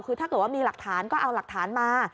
คือถ้าเกิดว่ามีหลักฐานก็เอาหลักฐานมา